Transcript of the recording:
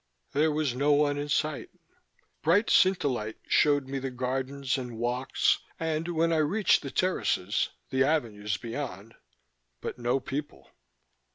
There was no one in sight. Bright Cintelight showed me the gardens and walks and, when I reached the terraces, the avenues beyond ... but no people.